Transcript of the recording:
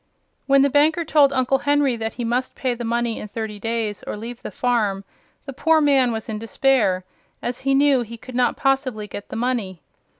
When the banker told Uncle Henry that he must pay the money in thirty days or leave the farm, the poor man was in despair, as he knew he could not possibly get the money.